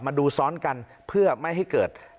มาดูซ้อนกันเพื่อไม่ให้เกิด